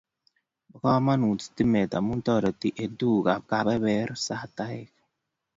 Po kamanut stimet amu toriti eng tukuk ab kabebersataek